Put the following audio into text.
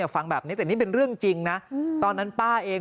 ฟังแบบนี้แต่นี่เป็นเรื่องจริงนะตอนนั้นป้าเอง